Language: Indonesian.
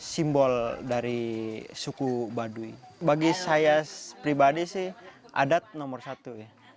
pengen mengunjungi pak buah cara berbincang seperti itu lah kita bisa pilihun lihat juga